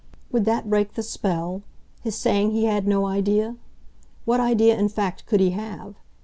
Would that break the spell, his saying he had no idea? What idea in fact could he have?